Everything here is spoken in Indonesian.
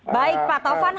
baik pak taufan